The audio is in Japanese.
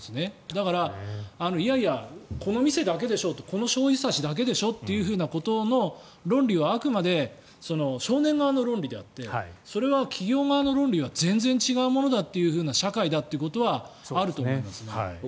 だからいやいや、この店だけでしょこのしょうゆ差しだけでしょということの論理はあくまで少年側の論理であってそれは企業側の論理は全然違うものだという社会だということはあると思いますね。